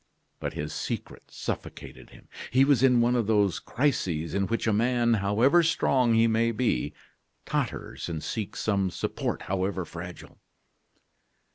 But his secret suffocated him. He was in one of those crises in which a man, however strong he may be, totters and seeks some support, however fragile.